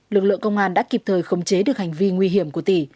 lực lượng công an đã kịp thời khống chế được hành vi nguy hiểm của tỷ